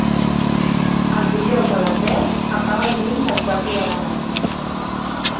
Els dijous a les deu apaga el llum del quarto de les rates.